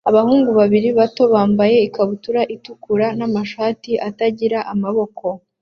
Abahungu babiri bato bambaye ikabutura itukura n'amashati atagira amaboko